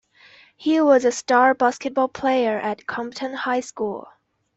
He was a star basketball player at Compton High School.